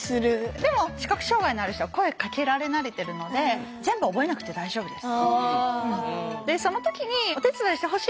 でも視覚障害のある人は声かけられ慣れているので全部覚えなくて大丈夫です。